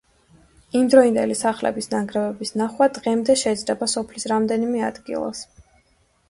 იმდროინდელი სახლების ნანგრევების ნახვა დღემდე შეიძლება სოფლის რამდენიმე ადგილას.